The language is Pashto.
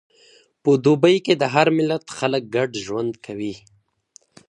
په دوبی کې د هر ملت خلک ګډ ژوند کوي.